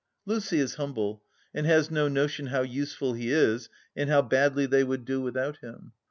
Lucy is humble, and has no notion how useful he is and how badly they would do without him.